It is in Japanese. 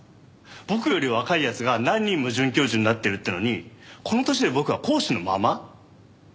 僕より若い奴が何人も准教授になってるっていうのにこの年で僕は講師のまま？